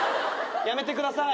やめてください。